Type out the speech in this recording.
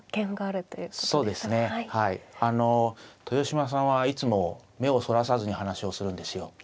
豊島さんはいつも目をそらさずに話をするんですよ。